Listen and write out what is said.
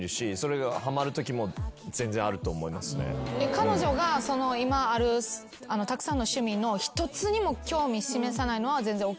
彼女が今あるたくさんの趣味の１つにも興味示さないのは全然ＯＫですか？